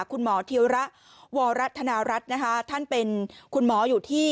คุณหมอธิระวรัฐนารัฐท่านเป็นคุณหมออยู่ที่